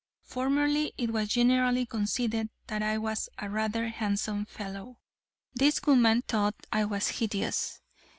Formerly it was generally conceded that I was a rather handsome fellow. This woman thought I was hideous.